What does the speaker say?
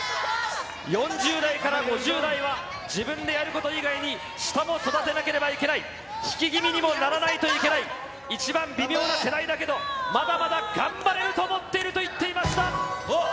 ４０代から５０代は、自分でやること以外に下も育てなければいけない、引き気味にもならないといけない、一番微妙な世代だけど、まだまだ頑張れると思っていると言っていました。